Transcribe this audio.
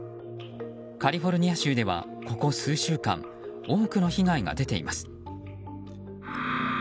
カリフォルニア州ではここ数週間多くの被害が出ています。